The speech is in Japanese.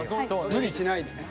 無理しないでね。